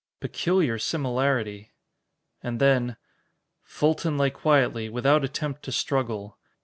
Peculiar similarity! And then: "Fulton lay quietly, without attempt to struggle.